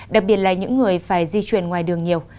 đặc biệt là những người phải di chuyển ngoài đường nhiều